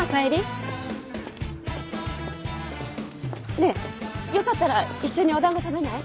ねえよかったら一緒にお団子食べない？